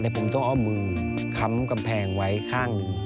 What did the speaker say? ผมต้องเอามือค้ำกำแพงไว้ข้างหนึ่ง